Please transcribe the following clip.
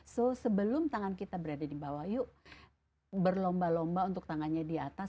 so sebelum tangan kita berada di bawah yuk berlomba lomba untuk tangannya di atas